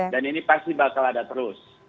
dan ini pasti bakal ada terus